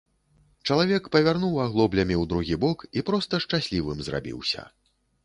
Чалавек павярнуў аглоблямі ў другі бок і проста шчаслівым зрабіўся.